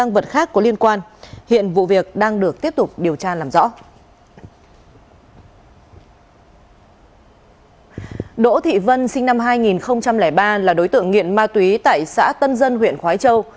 vân sinh năm hai nghìn ba là đối tượng nghiện ma túy tại xã tân dân huyện khói châu